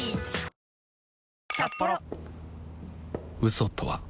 嘘とは